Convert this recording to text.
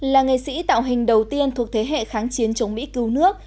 là nghệ sĩ tạo hình đầu tiên thuộc thế hệ kháng chiến chống mỹ cứu nước